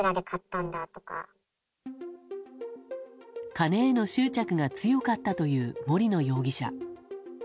金への執着が強かったという森野容疑者。